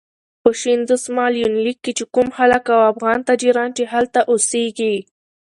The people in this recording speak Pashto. په شین دسمال یونلیک کې چې کوم خلک او افغان تجاران چې هلته اوسېږي.